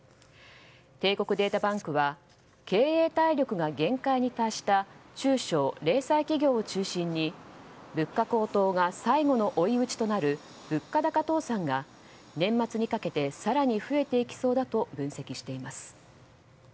帝国データバンクは経営体力が限界に達した中小・零細企業を中心に物価高騰が最後の追い打ちとなる物価高倒産が年末にかけて更に増えていきそうだと分析しています。